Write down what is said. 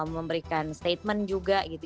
memberikan statement juga gitu